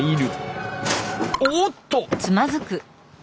おっと！